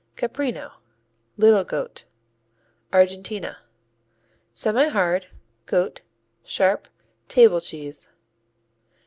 Caprino (Little Goat) Argentina Semihard; goat; sharp; table cheese.